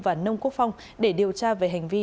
và nông quốc phong để điều tra về hành vi